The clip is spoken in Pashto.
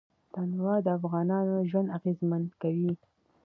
تنوع د افغانانو ژوند اغېزمن کوي.